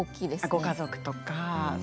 ご家族とか。